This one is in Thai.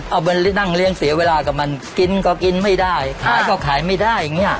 เอาเป็นนั่งเลี้ยงเสียเวลากับมันกินก็กินไม่ได้ขายก็ขายไม่ได้อย่างนี้